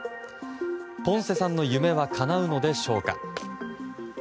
ポンセさんの夢はかなうのでしょうか。